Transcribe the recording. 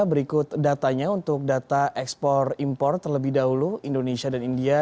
berikut datanya untuk data ekspor impor terlebih dahulu indonesia dan india